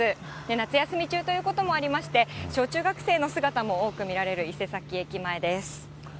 夏休み中ということもありまして、小中学生の姿も多く見られる伊勢崎駅前です。